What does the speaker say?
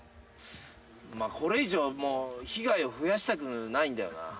まあこれ以上もう被害を増やしたくないんだよな。